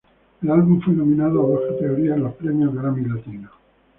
El álbum fue nominado a dos categorías en los Premios Grammy Latino.